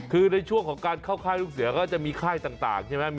คือในช่วงของการเข้าค่ายลูกเสือก็จะมีค่ายต่างใช่ไหม